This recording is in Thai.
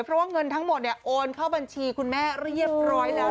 เพราะว่าเงินทั้งหมดโอนเข้าบัญชีคุณแม่เรียบร้อยแล้ว